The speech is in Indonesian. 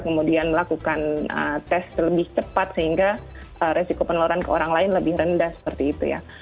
kemudian melakukan tes lebih cepat sehingga resiko penularan ke orang lain lebih rendah seperti itu ya